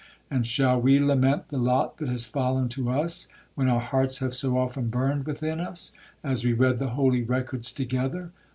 —And shall we lament the lot that has fallen to us, when our hearts have so often burned within us, as we read the holy records together?